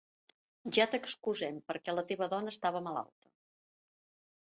Ja t'excusem, perquè la teva dona estava malalta.